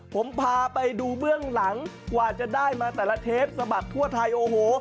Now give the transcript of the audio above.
ผมพาไปดูเบื้องหลังกว่าจะได้มาแต่ละเทปสะบัดทั่วไทยโอ้โห